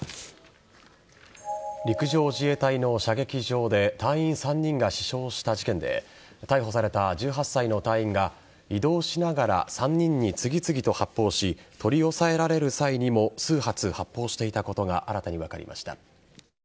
陸上自衛隊の射撃場で隊員３人が死傷した事件で逮捕された１８歳の隊員が移動しながら３人に次々と発砲し取り押さえられる際にも数発、発砲していたことが新たに分かりました。